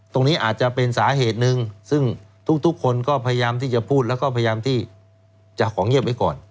ตรงนี้อาจจะเป็นสาเหตุหนึ่งซึ่งทุกคนก็พยายามที่จะพูดแล้วก็พยายามที่จะของเงียบไว้ก่อน